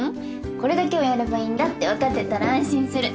これだけをやればいいんだって分かってたら安心する。